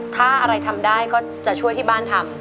ถ้าอะไรทำได้ก็จะช่วยที่บ้านทำ